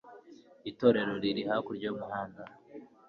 Itorero riri hakurya yumuhanda.